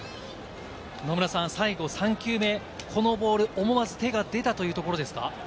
野村さん、最後３球目、このボール、思わず手が出たというところですか？